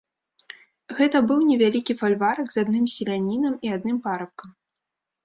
Гэта быў невялікі фальварак з адным селянінам і адным парабкам.